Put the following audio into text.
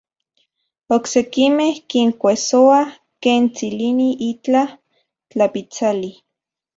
Oksekimej kinkuejsoa ken tsilini itlaj tlapitsali.